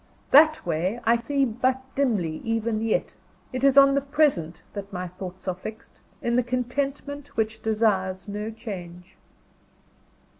That way, I see but dimly even yet. It is on the Present that my thoughts are fixed, in the contentment which desires no change.